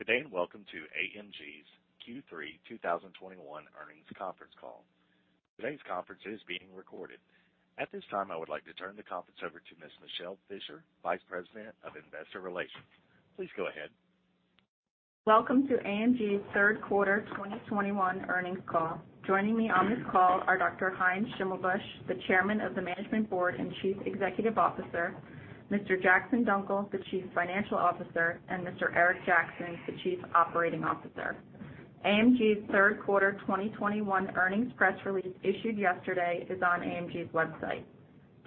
Good day, and welcome to AMG's Q3 2021 Earnings Conference Call. Today's conference is being recorded. At this time, I would like to turn the conference over to Ms. Michele Fischer, Vice President of Investor Relations. Please go ahead. Welcome to AMG's Third Quarter 2021 Earnings Call. Joining me on this call are Dr. Heinz Schimmelbusch, the Chairman of the Management Board and Chief Executive Officer, Mr. Jackson Dunckel, the Chief Financial Officer, and Mr. Eric Jackson, the Chief Operating Officer. AMG's third quarter 2021 earnings press release issued yesterday is on AMG's website.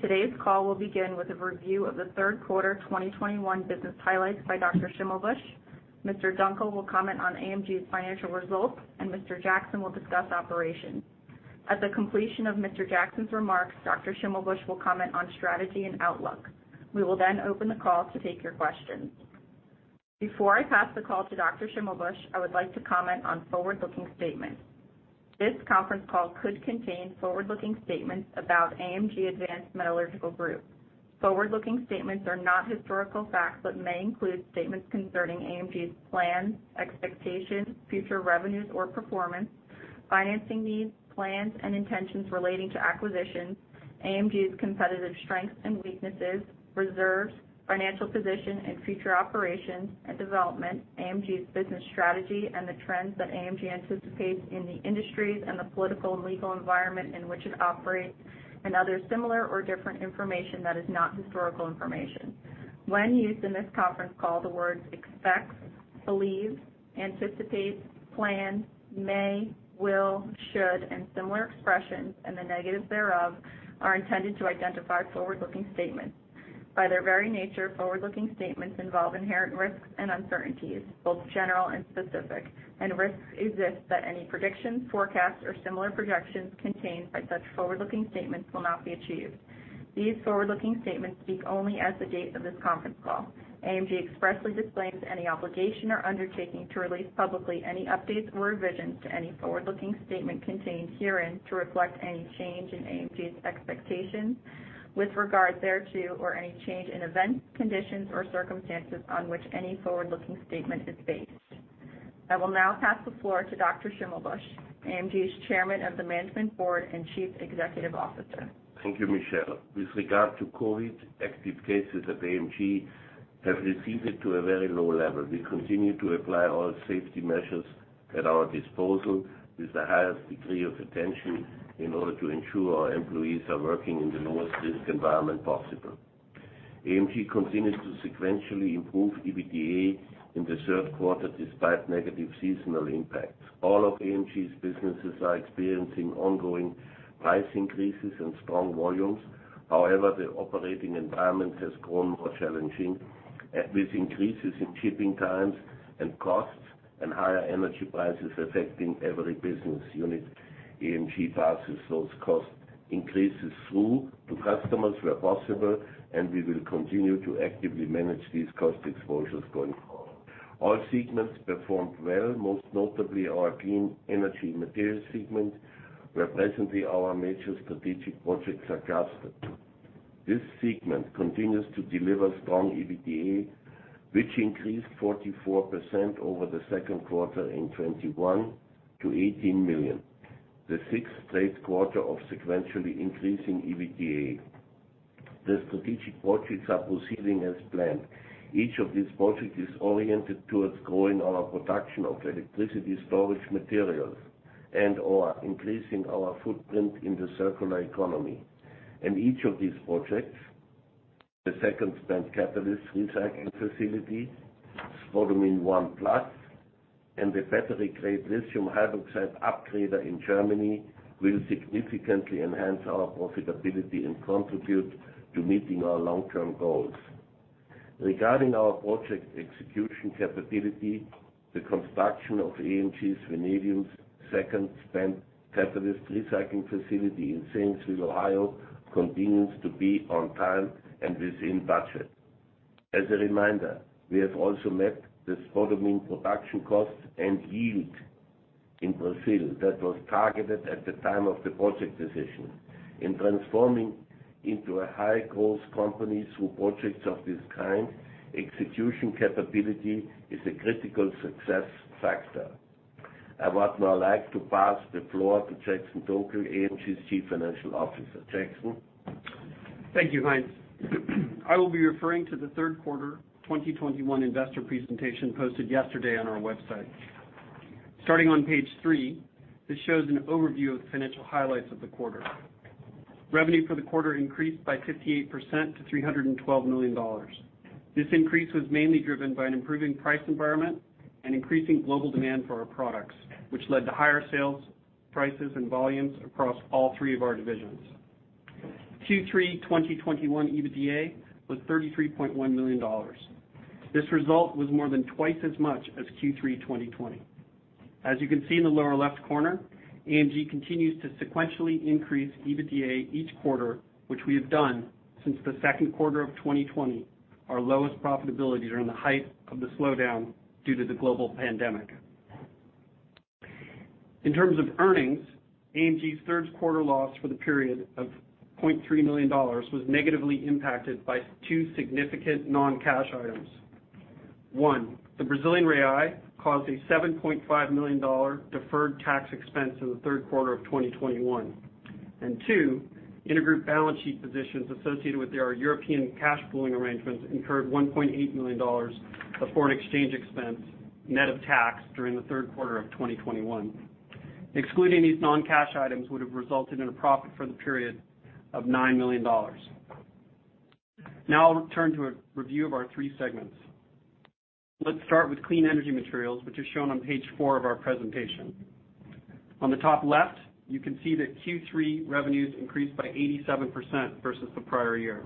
Today's call will begin with a review of the third quarter 2021 business highlights by Dr. Schimmelbusch. Mr. Dunckel will comment on AMG's financial results, and Mr. Jackson will discuss operations. At the completion of Mr. Jackson's remarks, Dr. Schimmelbusch will comment on strategy and outlook. We will then open the call to take your questions. Before I pass the call to Dr. Schimmelbusch, I would like to comment on forward-looking statements. This conference call could contain forward-looking statements about AMG Advanced Metallurgical Group. Forward-looking statements are not historical facts, but may include statements concerning AMG's plans, expectations, future revenues or performance, financing needs, plans and intentions relating to acquisitions, AMG's competitive strengths and weaknesses, reserves, financial position and future operations and development, AMG's business strategy, and the trends that AMG anticipates in the industries and the political and legal environment in which it operates, and other similar or different information that is not historical information. When used in this conference call, the words expects, believes, anticipates, plans, may, will, should, and similar expressions and the negatives thereof are intended to identify forward-looking statements. By their very nature, forward-looking statements involve inherent risks and uncertainties, both general and specific, and risks exist that any predictions, forecasts, or similar projections contained in such forward-looking statements will not be achieved. These forward-looking statements speak only as of the date of this conference call. AMG expressly disclaims any obligation or undertaking to release publicly any updates or revisions to any forward-looking statement contained herein to reflect any change in AMG's expectations with regard thereto or any change in events, conditions, or circumstances on which any forward-looking statement is based. I will now pass the floor to Dr. Schimmelbusch, AMG's Chairman of the Management Board and Chief Executive Officer. Thank you, Michelle. With regard to COVID, active cases at AMG have receded to a very low level. We continue to apply all safety measures at our disposal with the highest degree of attention in order to ensure our employees are working in the lowest risk environment possible. AMG continues to sequentially improve EBITDA in the third quarter despite negative seasonal impacts. All of AMG's businesses are experiencing ongoing price increases and strong volumes. However, the operating environment has grown more challenging, with increases in shipping times and costs and higher energy prices affecting every business unit. AMG passes those cost increases through to customers where possible, and we will continue to actively manage these cost exposures going forward. All segments performed well, most notably our Clean Energy Materials segment, where presently our major strategic projects are clustered. This segment continues to deliver strong EBITDA, which increased 44% over the second quarter in 2021 to $18 million, the sixth straight quarter of sequentially increasing EBITDA. The strategic projects are proceeding as planned. Each of these projects is oriented towards growing our production of electricity storage materials and/or increasing our footprint in the circular economy. Each of these projects, the second spent catalyst recycling facility, Spodumene 1+, and the battery-grade lithium hydroxide upgrader in Germany, will significantly enhance our profitability and contribute to meeting our long-term goals. Regarding our project execution capability, the construction of AMG Vanadium's second spent catalyst recycling facility in Zanesville, Ohio, continues to be on time and within budget. As a reminder, we have also met the Spodumene production costs and yield in Brazil that was targeted at the time of the project decision. In transforming into a high-growth company through projects of this kind, execution capability is a critical success factor. I would now like to pass the floor to Jackson Dunckel, AMG's Chief Financial Officer. Jackson? Thank you, Heinz. I will be referring to the third quarter 2021 investor presentation posted yesterday on our website. Starting on page three, this shows an overview of the financial highlights of the quarter. Revenue for the quarter increased by 58% to $312 million. This increase was mainly driven by an improving price environment and increasing global demand for our products, which led to higher sales, prices, and volumes across all three of our divisions. Q3 2021 EBITDA was $33.1 million. This result was more than twice as much as Q3 2020. As you can see in the lower left corner, AMG continues to sequentially increase EBITDA each quarter, which we have done since the second quarter of 2020, our lowest profitability during the height of the slowdown due to the global pandemic. In terms of earnings, AMG's third quarter loss for the period of $0.3 million was negatively impacted by two significant non-cash items. One, the Brazilian real caused a $7.5 million deferred tax expense in the third quarter of 2021. And two, intergroup balance sheet positions associated with our European cash pooling arrangements incurred $1.8 million of foreign exchange expense net of tax during the third quarter of 2021. Excluding these non-cash items would have resulted in a profit for the period of $9 million. Now I'll turn to a review of our three segments. Let's start with Clean Energy Materials, which is shown on page four of our presentation. On the top left, you can see that Q3 revenues increased by 87% versus the prior year.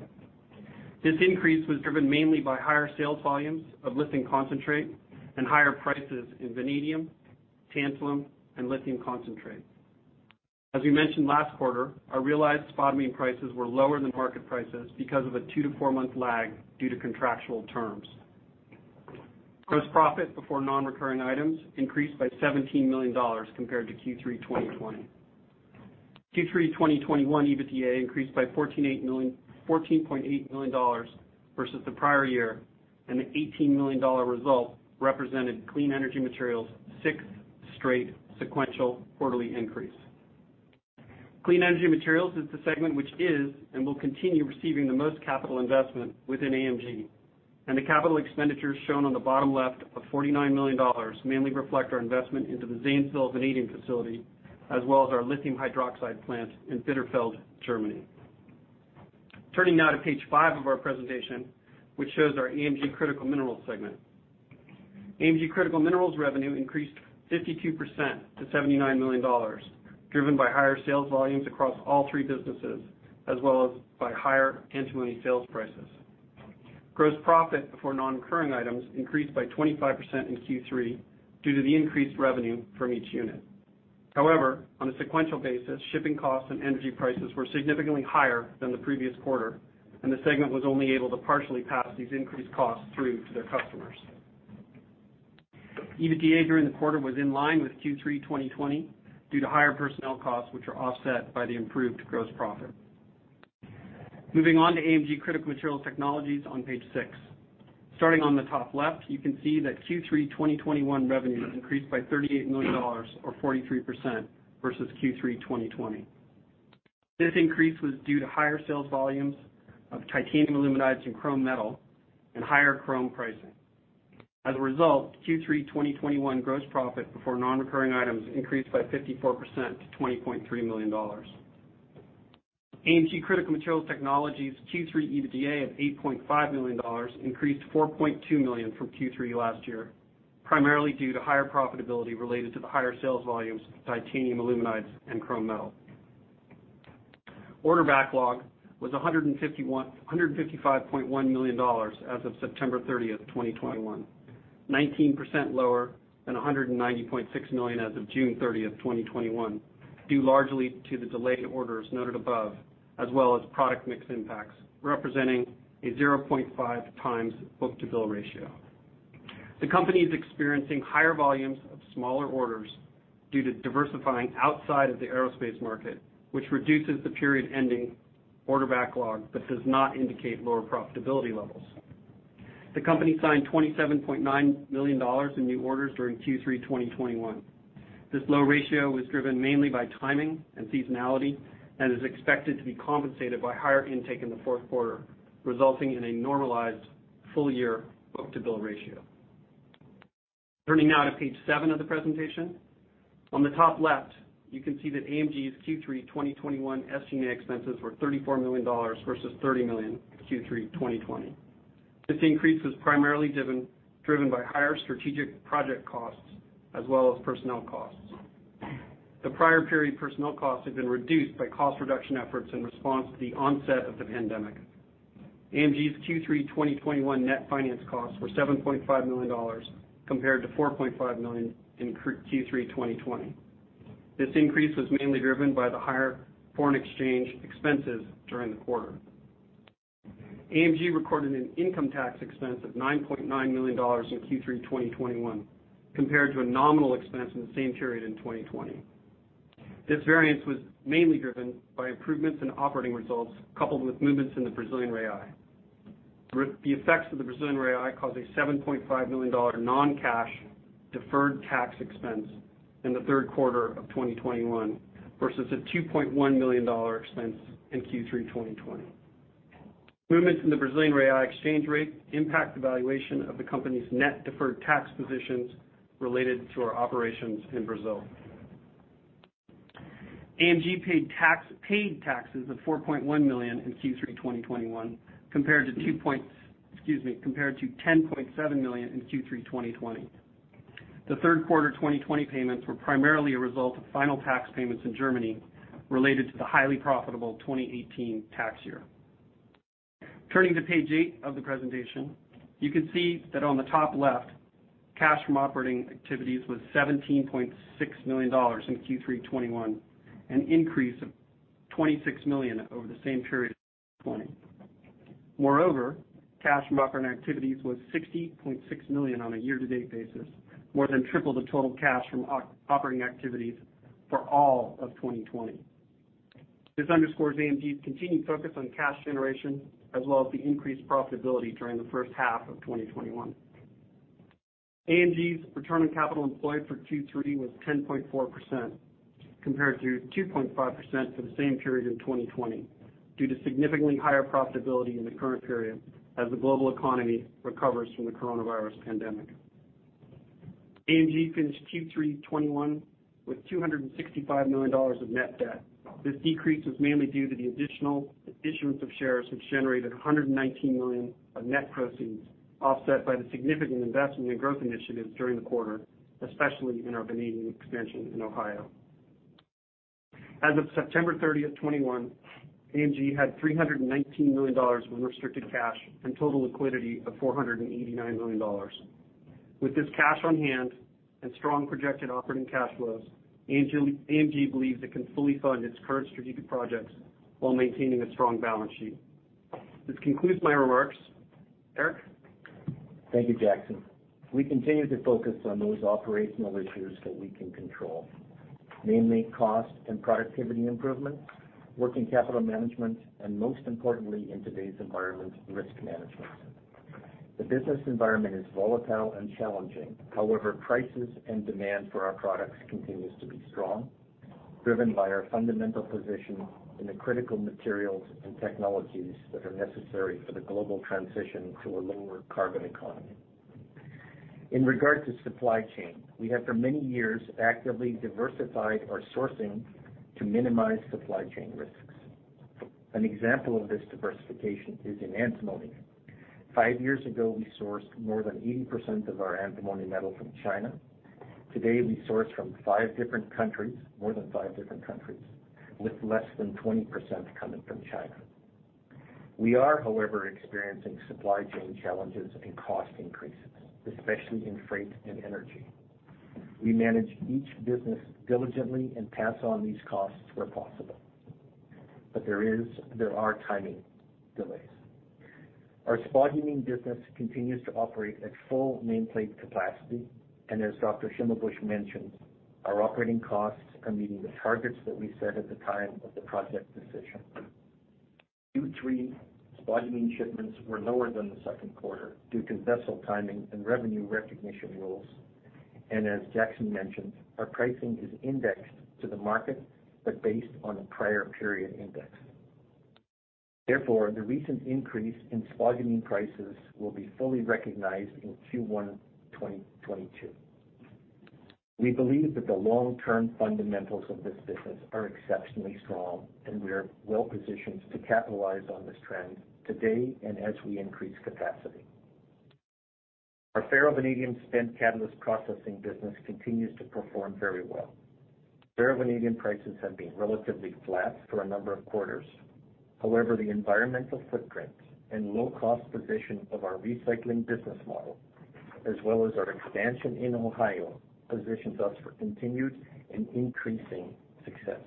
This increase was driven mainly by higher sales volumes of lithium concentrate and higher prices for vanadium, tantalum, and lithium concentrate. As we mentioned last quarter, our realized spodumene prices were lower than market prices because of a two to four month lag due to contractual terms. Gross profit before non-recurring items increased by $17 million compared to Q3 2020. Q3 2021 EBITDA increased by $14.8 million versus the prior year, and the $18 million result represented Clean Energy Materials' sixth straight sequential quarterly increase. Clean Energy Materials is the segment which is and will continue receiving the most capital investment within AMG, and the capital expenditures shown on the bottom left of $49 million mainly reflect our investment into the Zanesville vanadium facility, as well as our lithium hydroxide plant in Bitterfeld, Germany. Turning now to page five of our presentation, which shows our AMG Critical Minerals segment. AMG Critical Minerals revenue increased 52% to $79 million, driven by higher sales volumes across all three businesses, as well as by higher antimony sales prices. Gross profit before non-recurring items increased by 25% in Q3 due to the increased revenue from each unit. However, on a sequential basis, shipping costs and energy prices were significantly higher than the previous quarter, and the segment was only able to partially pass these increased costs through to their customers. EBITDA during the quarter was in line with Q3 2020 due to higher personnel costs, which are offset by the improved gross profit. Moving on to AMG Critical Materials Technologies on page six. Starting on the top left, you can see that Q3 2021 revenue increased by $38 million or 43% versus Q3 2020. This increase was due to higher sales volumes of titanium aluminides and chrome metal and higher chrome pricing. As a result, Q3 2021 gross profit before non-recurring items increased by 54% to $20.3 million. AMG Critical Materials Technologies' Q3 EBITDA of $8.5 million increased $4.2 million from Q3 last year, primarily due to higher profitability related to the higher sales volumes of titanium aluminides and chrome metal. Order backlog was $155.1 million as of September 30th, 2021, 19% lower than $190.6 million as of June 30th, 2021, due largely to the delayed orders noted above as well as product mix impacts, representing a 0.5 times book-to-bill ratio. The company is experiencing higher volumes of smaller orders due to diversifying outside of the aerospace market, which reduces the period-ending order backlog but does not indicate lower profitability levels. The company signed $27.9 million in new orders during Q3 2021. This low ratio was driven mainly by timing and seasonality and is expected to be compensated by higher intake in the fourth quarter, resulting in a normalized full-year book-to-bill ratio. Turning now to page seven of the presentation. On the top left, you can see that AMG's Q3 2021 SG&A expenses were $34 million versus $30 million in Q3 2020. This increase was primarily driven by higher strategic project costs as well as personnel costs. The prior period personnel costs had been reduced by cost reduction efforts in response to the onset of the pandemic. AMG's Q3 2021 net finance costs were $7.5 million compared to $4.5 million in Q3 2020. This increase was mainly driven by the higher foreign exchange expenses during the quarter. AMG recorded an income tax expense of $9.9 million in Q3 2021 compared to a nominal expense in the same period in 2020. This variance was mainly driven by improvements in operating results coupled with movements in the Brazilian real. The effects of the Brazilian real caused a $7.5 million non-cash deferred tax expense in the third quarter of 2021 versus a $2.1 million expense in Q3 2020. Movements in the Brazilian real exchange rate impact the valuation of the company's net deferred tax positions related to our operations in Brazil. AMG paid taxes of $4.1 million in Q3 2021 compared to $10.7 million in Q3 2020. The third quarter 2020 payments were primarily a result of final tax payments in Germany related to the highly profitable 2018 tax year. Turning to page eight of the presentation, you can see that on the top left, cash from operating activities was $17.6 million in Q3 2021, an increase of $26 million over the same period in 2020. Moreover, cash from operating activities was $60.6 million on a year-to-date basis, more than triple the total cash from operating activities for all of 2020. This underscores AMG's continued focus on cash generation, as well as the increased profitability during the first half of 2021. AMG's return on capital employed for Q3 was 10.4% compared to 2.5% for the same period in 2020 due to significantly higher profitability in the current period as the global economy recovers from the coronavirus pandemic. AMG finished Q3 2021 with $265 million of net debt. This decrease was mainly due to the additional issuance of shares, which generated $119 million of net proceeds, offset by the significant investment in growth initiatives during the quarter, especially in our vanadium expansion in Ohio. As of September 30th, 2021, AMG had $319 million in restricted cash and total liquidity of $489 million. With this cash on hand and strong projected operating cash flows, AMG believes it can fully fund its current strategic projects while maintaining a strong balance sheet. This concludes my remarks. Eric? Thank you, Jackson. We continue to focus on those operational issues that we can control, namely cost and productivity improvement, working capital management, and most importantly in today's environment, risk management. The business environment is volatile and challenging. However, prices and demand for our products continues to be strong, driven by our fundamental position in the critical materials and technologies that are necessary for the global transition to a lower carbon economy. In regard to supply chain, we have for many years actively diversified our sourcing to minimize supply chain risks. An example of this diversification is in antimony. Five years ago, we sourced more than 80% of our antimony metal from China. Today, we source from more than five different countries, with less than 20% coming from China. We are, however, experiencing supply chain challenges and cost increases, especially in freight and energy. We manage each business diligently and pass on these costs where possible. There are timing delays. Our spodumene business continues to operate at full nameplate capacity, and as Dr. Schimmelbusch mentioned, our operating costs are meeting the targets that we set at the time of the project decision. Q3 spodumene shipments were lower than the second quarter due to vessel timing and revenue recognition rules. As Jackson mentioned, our pricing is indexed to the market, but based on a prior period index. Therefore, the recent increase in spodumene prices will be fully recognized in Q1 2022. We believe that the long-term fundamentals of this business are exceptionally strong, and we are well-positioned to capitalize on this trend today and as we increase capacity. Our ferrovanadium spent catalyst processing business continues to perform very well. Ferrovanadium prices have been relatively flat for a number of quarters. However, the environmental footprint and low-cost position of our recycling business model, as well as our expansion in Ohio, positions us for continued and increasing success.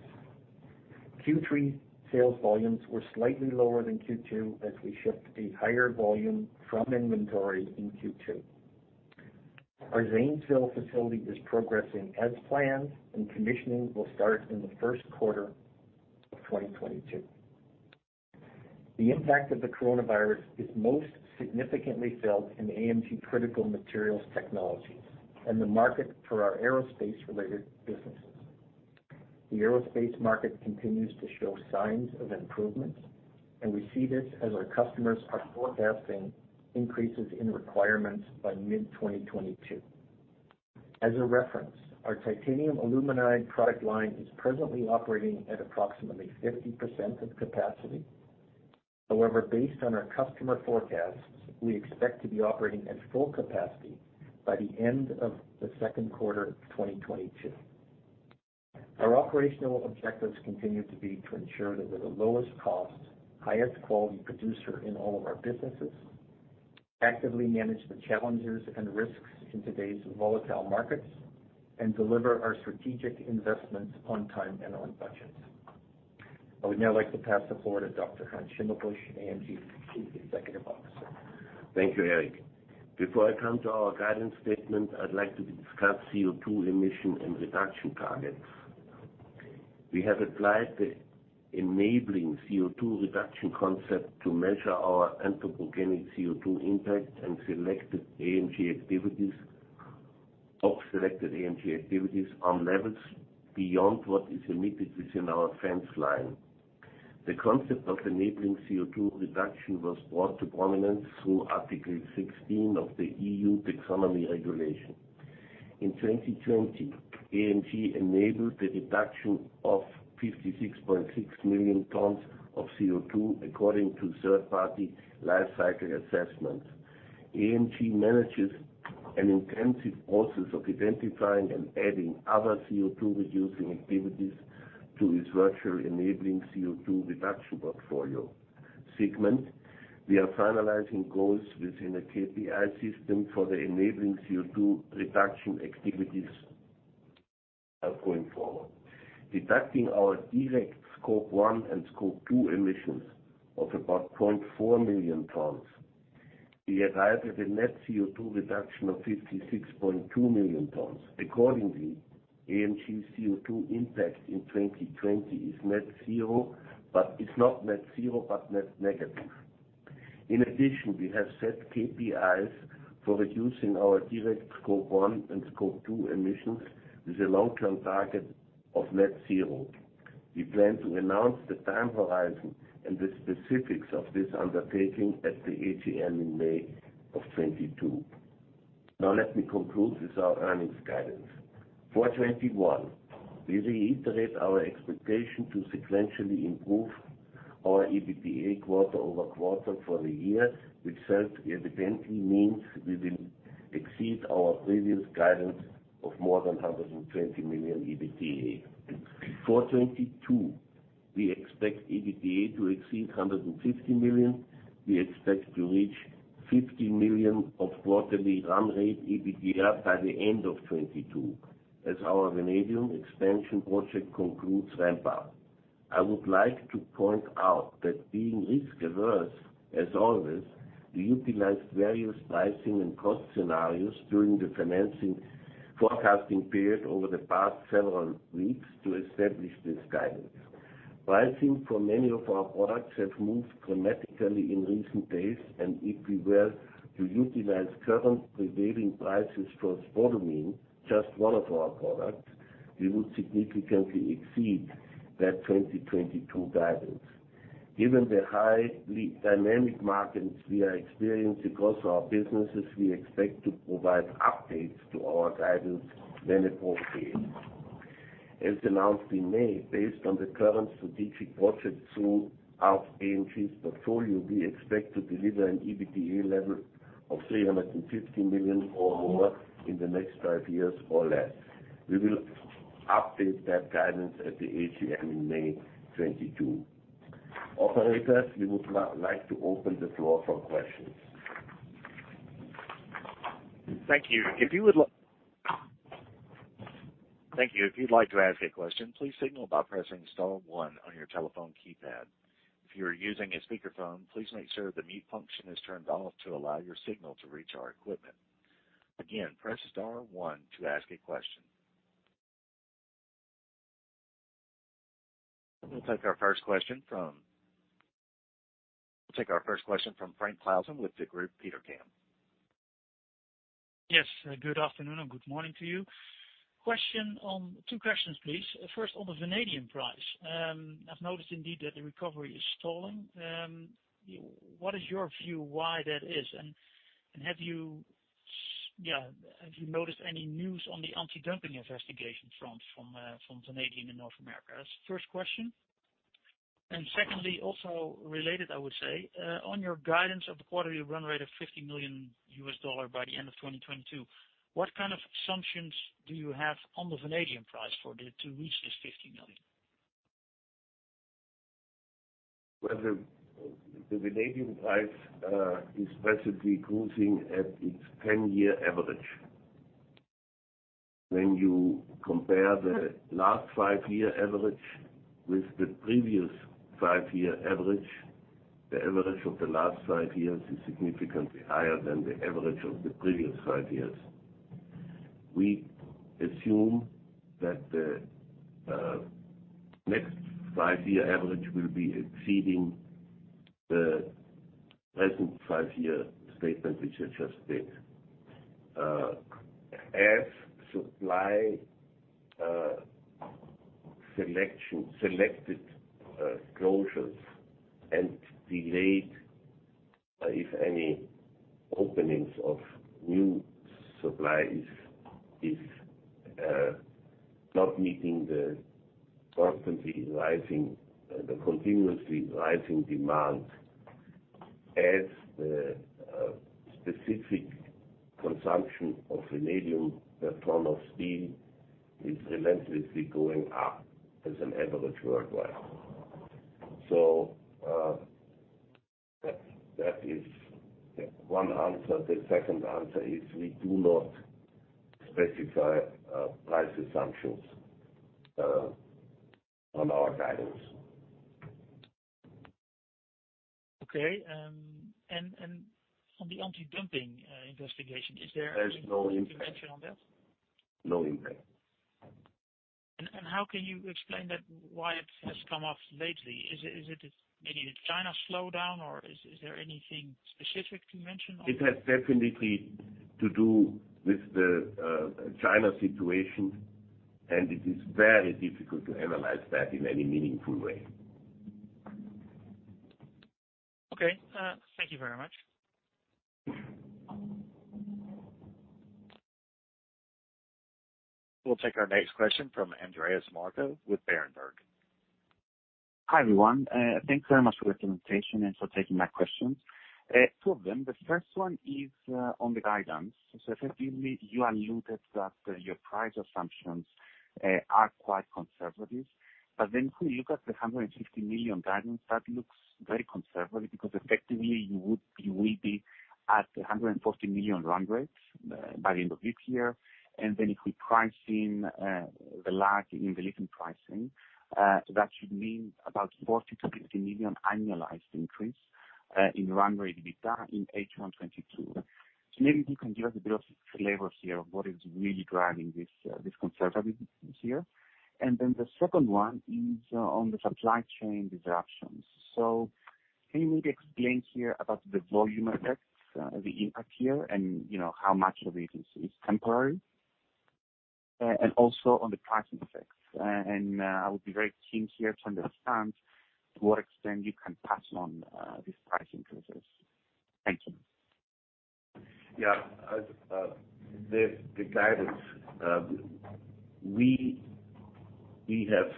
Q3 sales volumes were slightly lower than Q2 as we shipped a higher volume from inventory in Q2. Our Zanesville facility is progressing as planned, and commissioning will start in the first quarter of 2022. The impact of the coronavirus is most significantly felt in AMG Critical Materials Technologies and the market for our aerospace-related businesses. The aerospace market continues to show signs of improvement, and we see this as our customers are forecasting increases in requirements by mid-2022. As a reference, our titanium aluminide product line is presently operating at approximately 50% of capacity. However, based on our customer forecasts, we expect to be operating at full capacity by the end of the second quarter of 2022. Our operational objectives continue to be to ensure that we're the lowest cost, highest quality producer in all of our businesses, actively manage the challenges and risks in today's volatile markets, and deliver our strategic investments on time and on budget. I would now like to pass the floor to Dr. Heinz Schimmelbusch, AMG's Chief Executive Officer. Thank you, Eric. Before I come to our guidance statement, I'd like to discuss CO2 emission and reduction targets. We have applied the Enabling CO2 Reduction concept to measure our anthropogenic CO2 impact and selected AMG activities on levels beyond what is emitted within our fence line. The concept of Enabling CO2 Reduction was brought to prominence through Article 16 of the EU Taxonomy Regulation. In 2020, AMG enabled the reduction of 56.6 million tons of CO2 according to third-party life cycle assessments. AMG manages an intensive process of identifying and adding other CO2-reducing activities to its virtual Enabling CO2 Reduction portfolio segment. We are finalizing goals within a KPI system for the Enabling CO2 Reduction activities as going forward. Deducting our direct Scope 1 and Scope 2 emissions of about 0.4 million tons, we arrive at a net CO2 reduction of 56.2 million tons. Accordingly, AMG CO2 impact in 2020 is net zero, but it's not net zero, but net negative. In addition, we have set KPIs for reducing our direct Scope 1 and Scope 2 emissions with a long-term target of net zero. We plan to announce the time horizon and the specifics of this undertaking at the AGM in May 2022. Now let me conclude with our earnings guidance. For 2021, we reiterate our expectation to sequentially improve our EBITDA quarter-over-quarter for the year, which subsequently means we will exceed our previous guidance of more than $120 million EBITDA. For 2022, we expect EBITDA to exceed $150 million. We expect to reach $50 million of quarterly run rate EBITDA by the end of 2022 as our vanadium expansion project concludes ramp-up. I would like to point out that being risk-averse as always, we utilized various pricing and cost scenarios during the financial forecasting period over the past several weeks to establish this guidance. Pricing for many of our products have moved dramatically in recent days, and if we were to utilize current prevailing prices for spodumene, just one of our products, we would significantly exceed that 2022 guidance. Given the highly dynamic markets we are experiencing across our businesses, we expect to provide updates to our guidance when appropriate. As announced in May, based on the current strategic project through AMG's portfolio, we expect to deliver an EBITDA level of $350 million or more in the next five years or less. We will update that guidance at the AGM in May 2022. Operator, we would now like to open the floor for questions. Thank you. If you'd like to ask a question, please signal by pressing star one on your telephone keypad. If you are using a speakerphone, please make sure the mute function is turned off to allow your signal to reach our equipment. Again, press star one to ask a question. We'll take our first question from Frank Claassen with Degroof Petercam. Yes, good afternoon or good morning to you. Question on two questions, please. First, on the vanadium price. I've noticed indeed that the recovery is stalling. What is your view why that is? And have you noticed any news on the anti-dumping investigation front from Vanadium in North America? That's the first question. And secondly, also related, I would say, on your guidance of the quarterly run rate of $50 million by the end of 2022, what kind of assumptions do you have on the vanadium price for it to reach this $50 million? Well, the vanadium price is basically cruising at its 10-year average. When you compare the last five-year average with the previous five-year average, the average of the last five years is significantly higher than the average of the previous 5 years. We assume that the next five-year average will be exceeding the present five-year statement, which I just did, as supply selections, selected closures and delayed, if any, openings of new supplies is not meeting the continuously rising demand as the specific consumption of vanadium per ton of steel is relentlessly going up as an average worldwide. That is one answer. The second answer is we do not specify price assumptions on our guidance. Okay. And on the anti-dumping investigation, is there- There's no impact. Any mention on that? No impact. How can you explain that, why it has come off lately? Is it maybe the China slowdown or is there anything specific to mention on that? It has definitely to do with the China situation, and it is very difficult to analyze that in any meaningful way. Okay. Thank you very much. We'll take our next question from Andreas Markou with Berenberg. Hi, everyone. Thanks very much for the invitation and for taking my questions. Two of them. The first one is on the guidance. Effectively, you alluded that your price assumptions are quite conservative. If we look at the $150 million guidance, that looks very conservative because effectively you will be at a $140 million run-rate by the end of this year. If we price in the lag in the lithium pricing, that should mean about $40 million-$50 million annualized increase in run-rate EBITDA in H1 2022. Maybe you can give us a bit of flavor here of what is really driving this conservatism here. The second one is on the supply chain disruptions. Can you maybe explain here about the volume effects, the impact here and, you know, how much of it is temporary? Also on the pricing effects. I would be very keen here to understand to what extent you can pass on these price increases. Thank you. Yeah. As the guidance, we have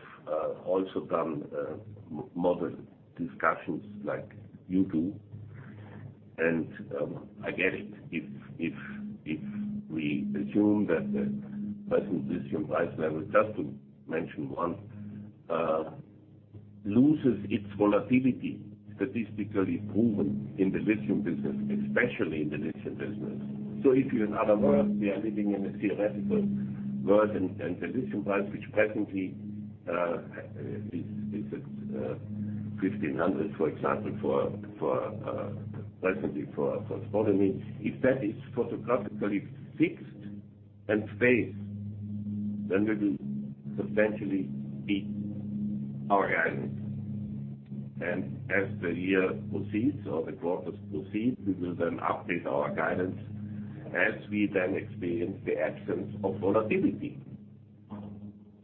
also done model discussions like you do. I get it. If we assume that the present lithium price, I would just to mention one, loses its volatility statistically proven in the lithium business, especially in the lithium business. In other words, we are living in a theoretical world and the lithium price, which presently is at $1,500, for example, for spodumene. If that is permanently fixed and stays, then we will substantially beat our guidance. As the year proceeds or the quarters proceed, we will then update our guidance as we then experience the absence of volatility.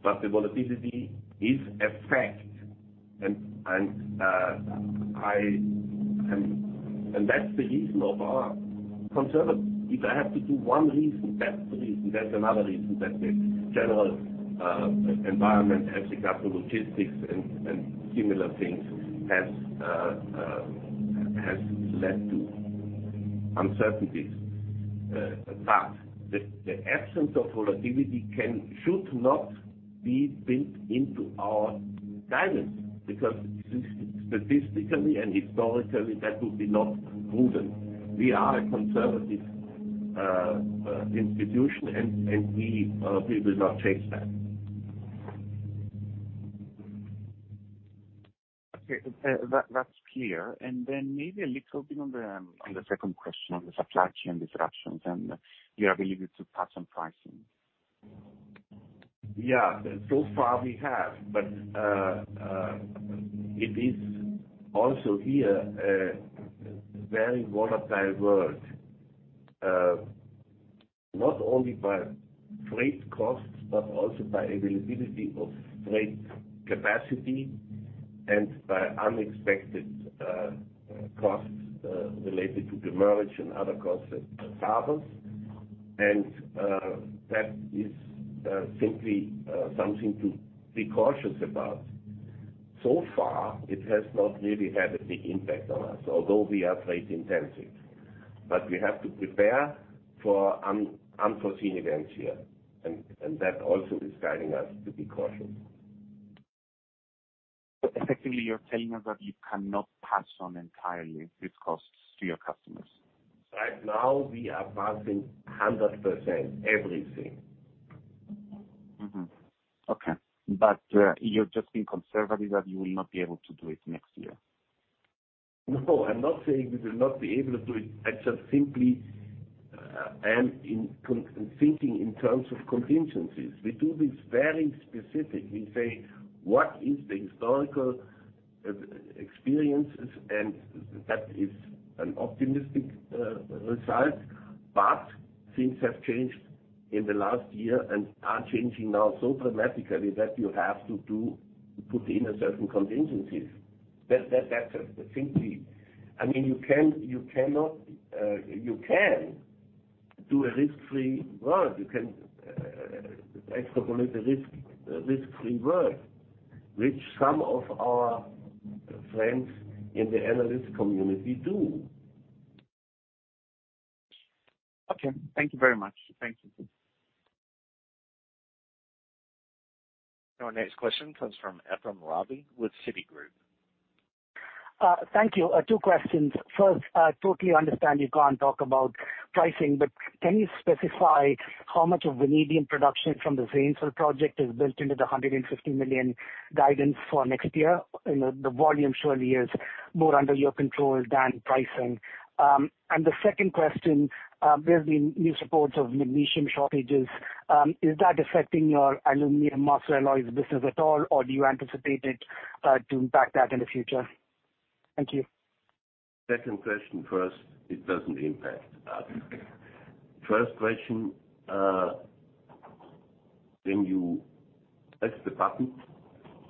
The volatility is a fact. That's the reason of our conservatism. If I have to give one reason, that's the reason. That's another reason that the general environment as regards to logistics and similar things has led to uncertainties. The absence of volatility should not be built into our guidance because statistically and historically that would be not prudent. We are a conservative institution and we will not chase that. Okay. That's clear. Maybe a little bit on the second question on the supply chain disruptions and your ability to pass on pricing. So far we have. It is also here a very volatile world. Not only by freight costs, but also by availability of freight capacity and by unexpected costs related to demurrage and other costs at the harbors. That is simply something to be cautious about. So far, it has not really had a big impact on us, although we are freight-intensive. We have to prepare for unforeseen events here. That also is guiding us to be cautious. Effectively, you're telling us that you cannot pass on entirely these costs to your customers. Right now we are passing 100% everything. Okay. You're just being conservative that you will not be able to do it next year. No, I'm not saying we will not be able to do it. I just simply am thinking in terms of contingencies. We do this very specifically. We say, what the historical experience is and that is an optimistic result. Things have changed in the last year and are changing now so dramatically that you have to put in certain contingencies. That's simply. I mean, you cannot do a risk-free world. You can extrapolate a risk-free world, which some of our friends in the analyst community do. Okay. Thank you very much. Thank you. Our next question comes from Ephrem Ravi with Citigroup. Thank you. Two questions. First, I totally understand you can't talk about pricing, but can you specify how much of the vanadium production from the Zanesville project is built into the $150 million guidance for next year? You know, the volume surely is more under your control than pricing. The second question, there's been new reports of magnesium shortages. Is that affecting your aluminum master alloys business at all, or do you anticipate it to impact that in the future? Thank you. Second question first. It doesn't impact us. First question, when you press the button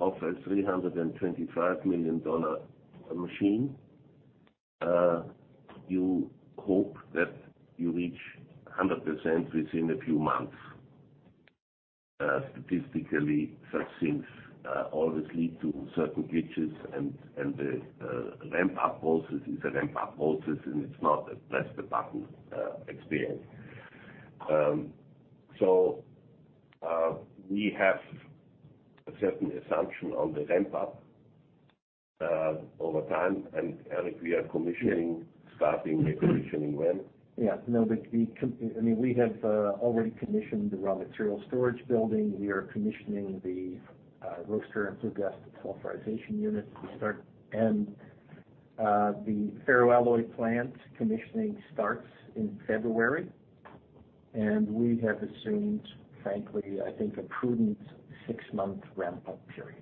of a $325 million machine, you hope that you reach 100% within a few months. Statistically such things always lead to certain glitches and the ramp-up process is a ramp-up process, and it's not a press-the-button experience. We have a certain assumption on the ramp up over time, and, Eric, we are commissioning, starting the commissioning when? Yeah. No, we have already commissioned the raw material storage building. We are commissioning the roaster and flue gas desulfurization units to start. The ferroalloy plant commissioning starts in February, and we have assumed, frankly, I think a prudent six-month ramp-up period.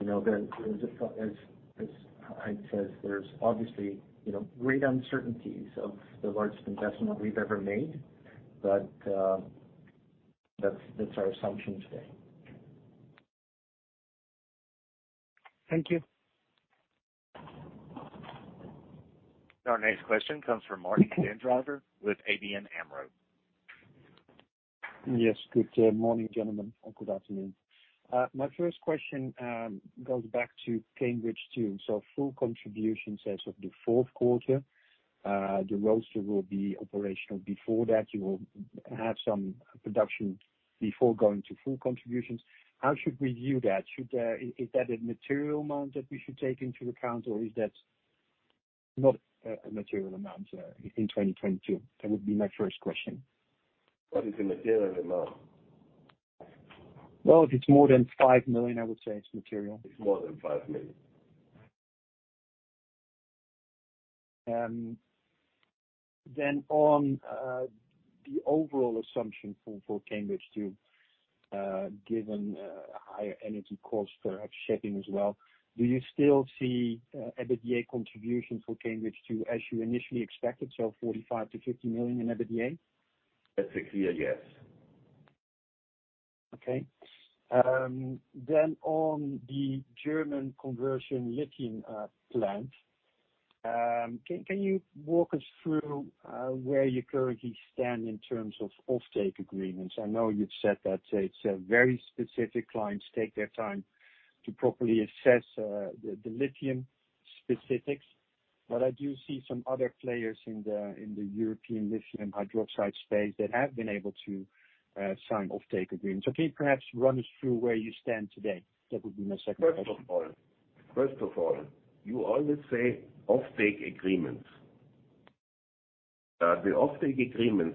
You know, there's, as Heinz says, there's obviously, you know, great uncertainties of the largest investment we've ever made, but that's our assumption today. Thank you. Our next question comes from Martijn den Drijver with ABN AMRO. Yes. Good morning, gentlemen, or good afternoon. My first question goes back to Cambridge 2. Full contribution as of the fourth quarter, the roaster will be operational before that. You will have some production before going to full contributions. How should we view that? Is that a material amount that we should take into account, or is that not a material amount in 2022? That would be my first question. What is a material amount? Well, if it's more than $5 million, I would say it's material. It's more than $5 million. On the overall assumption for Cambridge 2, given higher energy costs, perhaps shipping as well, do you still see EBITDA contribution for Cambridge 2 as you initially expected, so $45 million-$50 million in EBITDA? That's a clear yes. Okay. On the German conversion lithium plant, can you walk us through where you currently stand in terms of offtake agreements? I know you've said that it's very specific clients take their time to properly assess the lithium specifics. I do see some other players in the European lithium hydroxide space that have been able to sign offtake agreements. Can you perhaps run us through where you stand today? That would be my second question. First of all, you always say offtake agreement. The offtake agreement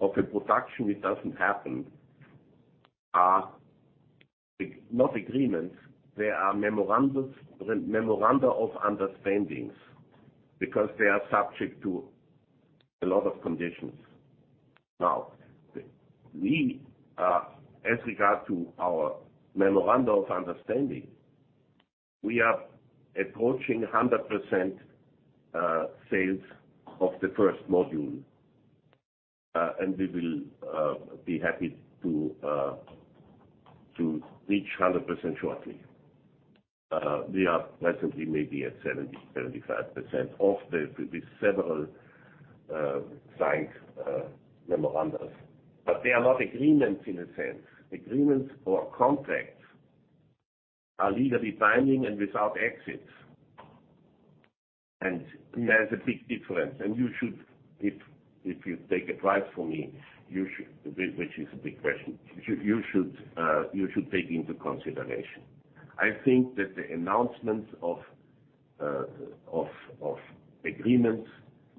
of a production which doesn't happen are not agreements. They are memoranda of understanding, because they are subject to a lot of conditions. Now, we are as regards to our memoranda of understanding approaching 100% sales of the first module, and we will be happy to reach 100% shortly. We are presently maybe at 70%-75% of the with several signed memoranda. They are not agreements in a sense. Agreements or contracts are legally binding and without exits. There's a big difference. You should, if you take advice from me, which is a big question, take into consideration. I think that the announcements of agreements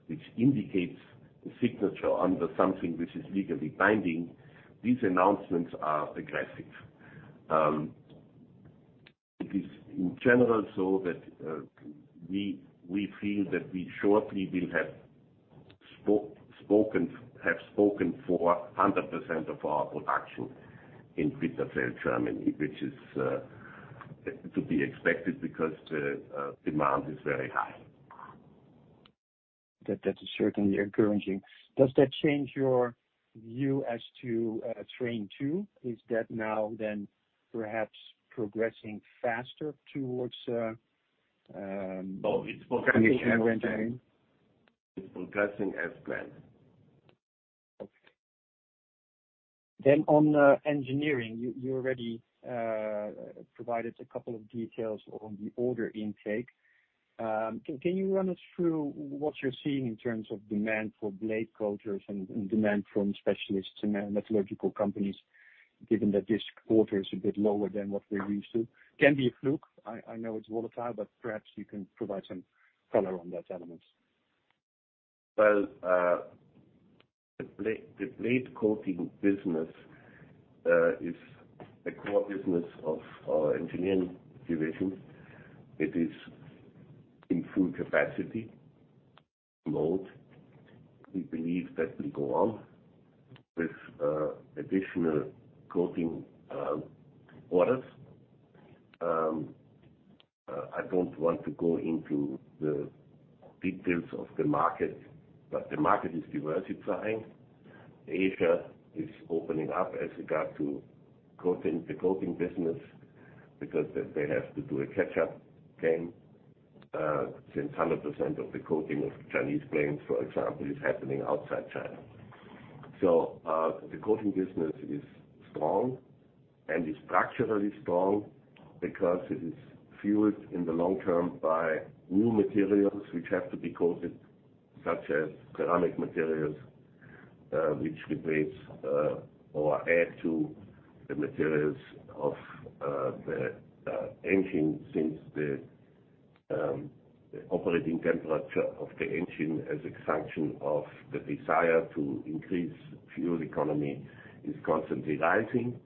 which indicates the signature under something which is legally binding, these announcements are aggressive. It is in general so that we feel that we shortly will have spoken for 100% of our production in Bitterfeld, Germany, which is to be expected because the demand is very high. That is certainly encouraging. Does that change your view as to train two? Is that now then perhaps progressing faster towards No, it's progressing as planned. Completion of the train? It's progressing as planned. Okay. On engineering, you already provided a couple of details on the order intake. Can you run us through what you're seeing in terms of demand for blade coaters and demand from specialty and metallurgical companies, given that this quarter is a bit lower than what we're used to? It can be a fluke. I know it's volatile, but perhaps you can provide some color on that element. Well, the blade coating business is a core business of our engineering division. It is in full capacity mode. We believe that will go on with additional coating orders. I don't want to go into the details of the market, but the market is diversifying. Asia is opening up as regards coating, the coating business because they have to do a catch-up game. Since 100% of the coating of Chinese planes, for example, is happening outside China. The coating business is strong and is structurally strong because it is fueled in the long term by new materials which have to be coated, such as ceramic materials, which replace, or add to the materials of the engine since the operating temperature of the engine as a function of the desire to increase fuel economy is constantly rising.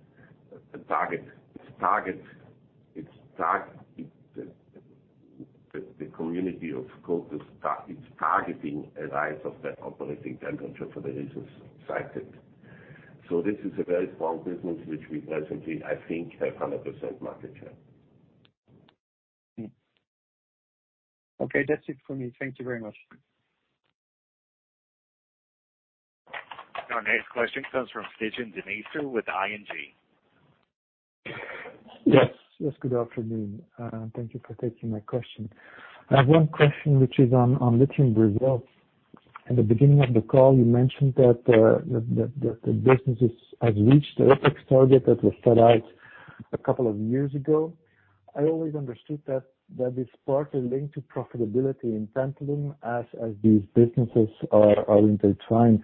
The community of coaters is targeting a rise of the operating temperature for the reasons cited. This is a very strong business which we presently, I think, have 100% market share. Okay, that's it for me. Thank you very much. Our next question comes from Stijn Demeester with ING. Yes. Yes, good afternoon. Thank you for taking my question. I have one question which is on lithium results. At the beginning of the call you mentioned that the businesses has reached the OpEx target that was set out a couple of years ago. I always understood that is partly linked to profitability in tantalum as these businesses are intertwined.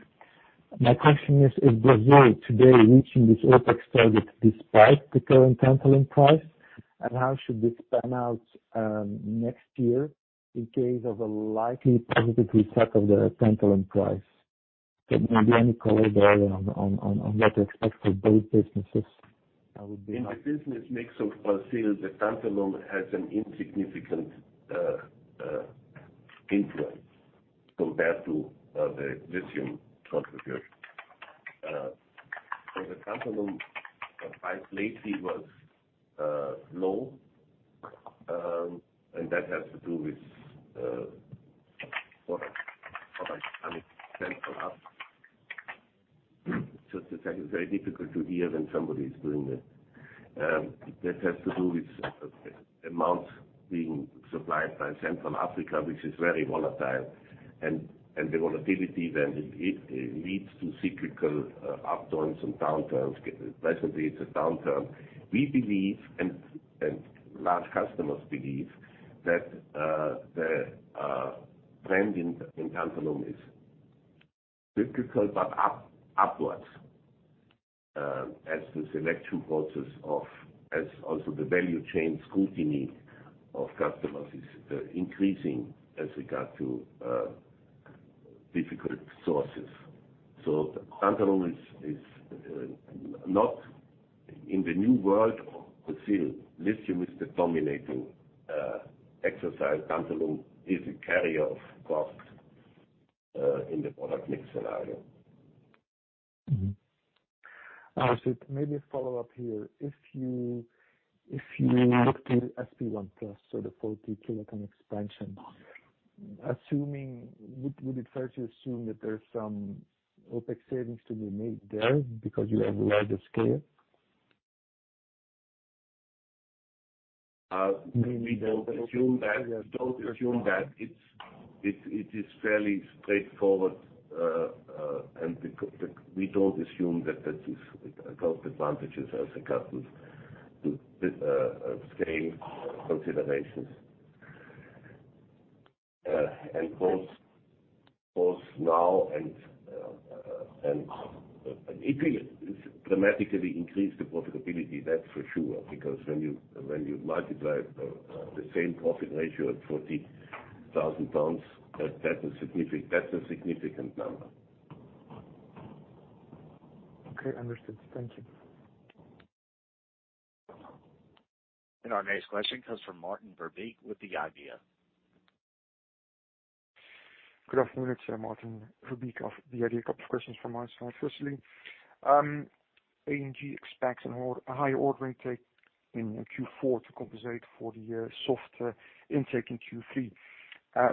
My question is Brazil today reaching this OpEx target despite the current tantalum price? And how should this pan out next year in case of a likely positive reset of the tantalum price? So maybe any color there on what to expect for both businesses, that would be- In the business mix of Brazil, the tantalum has an insignificant influence compared to the lithium contribution. The tantalum price lately was low. That has to do with amounts being supplied by Central Africa, which is very volatile. The volatility then leads to cyclical upturns and downturns. Presently it's a downturn. We believe and large customers believe that the trend in tantalum is cyclical but upwards as the selection process as also the value chain scrutiny of customers is increasing with regard to difficult sources. Tantalum is not in the new world of Brazil. Lithium is the dominating exercise. Tantalum is a carryover cost in the product mix scenario. Mm-hmm. I should maybe follow up here. If you look to Spodumene 1+, the 40-kiloton expansion, would it be fair to assume that there's some OpEx savings to be made there because you have a larger scale? We don't assume that. It is fairly straightforward and we don't assume that that is a cost advantage as such as to scale considerations. Both now and it will dramatically increase the profitability, that's for sure, because when you multiply the same profit ratio at 40,000 tons, that is significant. That's a significant number. Okay, understood. Thank you. Our next question comes from Maarten Verbeek with The IDEA. Good afternoon. It's Martin Verbeek of The IDEA. A couple of questions from my side. Firstly, AMG expects a high order intake in Q4 to compensate for the softer intake in Q3,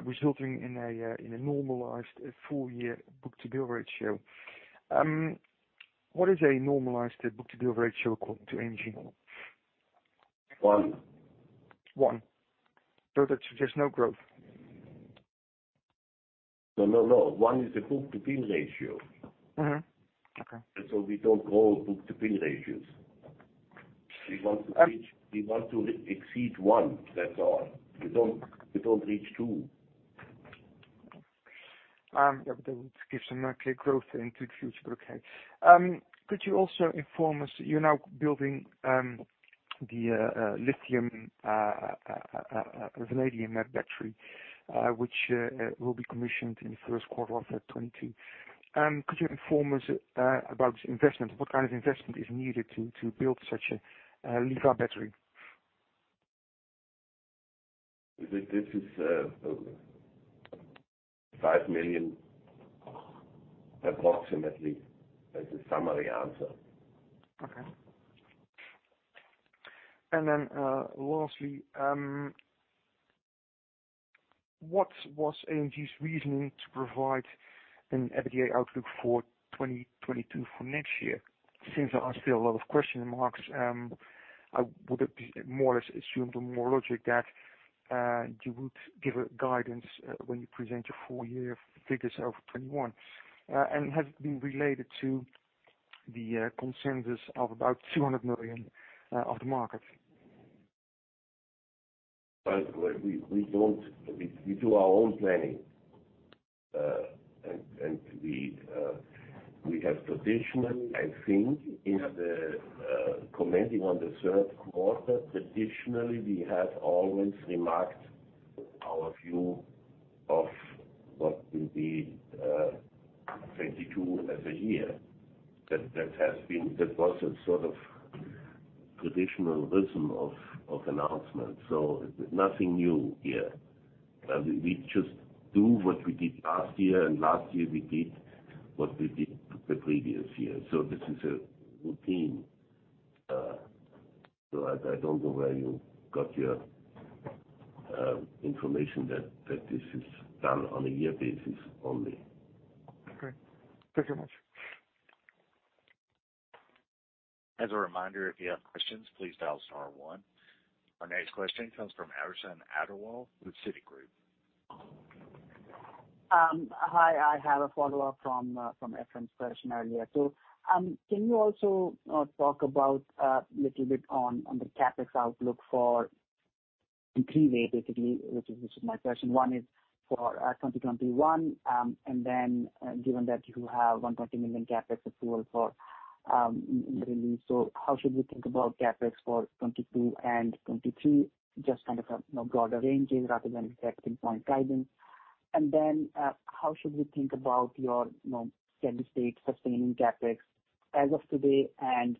resulting in a normalized full year book-to-bill ratio. What is a normalized book-to-bill ratio according to AMG? One. One. That suggests no growth. No, no. One is a book-to-bill ratio. Mm-hmm. Okay. We don't grow book-to-bill ratios. We want to reach. Uh- We want to exceed one. That's all. We don't reach two. That would give some clear growth into the future. Okay. Could you also inform us, you're now building the lithium vanadium battery, which will be commissioned in the first quarter of 2022. Could you inform us about investment? What kind of investment is needed to build such a LIVA battery? This is $5 million approximately, as a summary answer. Okay. Lastly, what was AMG's reasoning to provide an EBITDA outlook for 2022 for next year? Since there are still a lot of question marks, I would have more or less assumed or more logically that you would give a guidance when you present your full year figures of 2021. Has it been related to the consensus of about $200 million of the market? Well, we don't. We do our own planning. We have traditionally, I think, in commenting on the third quarter, traditionally we have always remarked our view of what will be 2022 as a year. That was a sort of traditional rhythm of announcement. Nothing new here. We just do what we did last year, and last year we did what we did the previous year. This is a routine. I don't know where you got your information that this is done on a year basis only. Okay. Thank you much. As a reminder, if you have questions, please dial star one. Our next question comes from Harrison Adewole with Citigroup. Hi. I have a follow-up from Ephrem's question earlier. Can you also talk about a little bit on the CapEx outlook in three ways, basically, which is my question. One is for 2021. Given that you have $120 million CapEx approval for release. How should we think about CapEx for 2022 and 2023? Just kind of a, you know, broader range rather than expecting point guidance. How should we think about your, you know, steady-state sustaining CapEx as of today and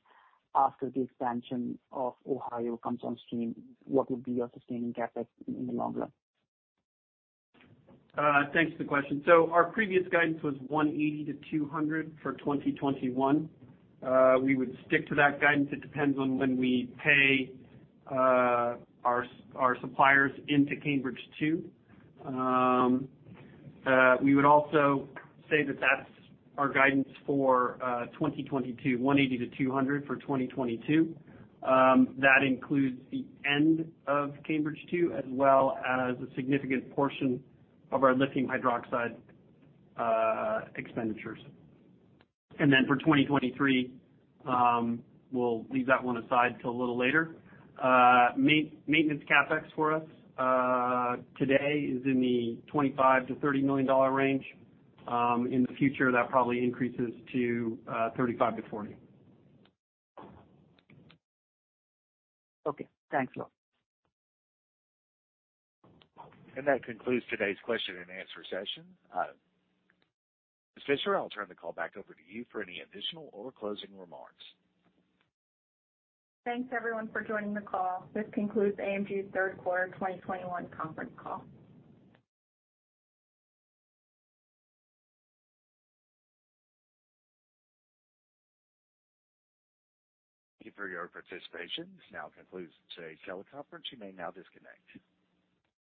after the expansion of Ohio comes on stream, what would be your sustaining CapEx in the long run? Thanks for the question. Our previous guidance was $180 million-$200 million for 2021. We would stick to that guidance. It depends on when we pay our suppliers into Cambridge 2. We would also say that that's our guidance for 2022, $180 million-$200 million for 2022. That includes the end of Cambridge 2 as well as a significant portion of our lithium hydroxide expenditures. For 2023, we'll leave that one aside till a little later. Maintenance CapEx for us today is in the $25 million-$30 million range. In the future, that probably increases to $35 million-$40 million. Okay, thanks a lot. That concludes today's question and answer session. Ms. Fisher, I'll turn the call back over to you for any additional or closing remarks. Thanks, everyone for joining the call. This concludes AMG's Third Quarter 2021 Conference Call. Thank you for your participation. This now concludes today's teleconference. You may now disconnect.